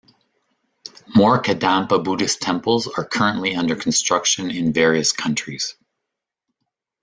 More Kadampa Buddhist Temples are currently under construction in various countries.